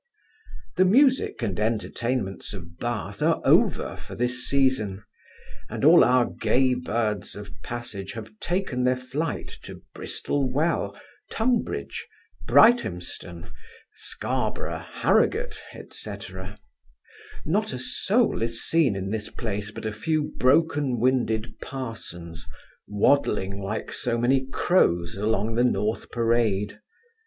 The music and entertainments of Bath are over for this season; and all our gay birds of passage have taken their flight to Bristolwell, Tunbridge, Brighthelmstone, Scarborough, Harrowgate, &c. Not a soul is seen in this place, but a few broken winded parsons, waddling like so many crows along the North Parade.